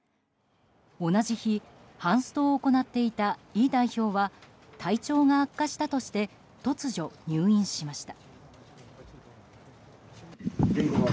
同じ日ハンストを行っていたイ代表は体調が悪化したとして突如、入院しました。